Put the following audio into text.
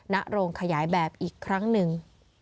ณโรงขยายแบบอีกครั้งหนึ่ง